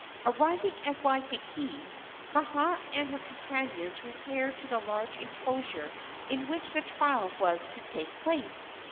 Arriving at Waikiki, Kaha and her companions repaired to the large enclosure in which the trial was to take place.